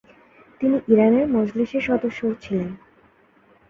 তিনি ইরানের মজলিসের সদস্যও ছিলেন।